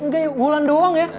gak ya bulan doang ya